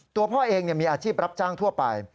ตัวพ่อเองมีอาชีพรับจ้างทั่วไป